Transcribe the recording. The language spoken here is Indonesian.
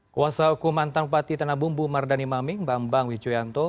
kuasa hukum mantan bupati tanah bumbu mardani maming bambang wijoyanto